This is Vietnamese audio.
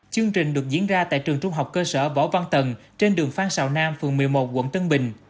chương trình được diễn ra tại trường trung học cơ sở võ văn tần trên đường phan xào nam phường một mươi một quận tân bình